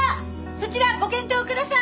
そちらご検討ください！